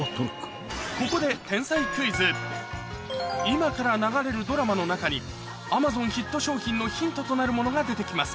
ここで今から流れるドラマの中にアマゾンヒット商品のヒントとなるものが出て来ます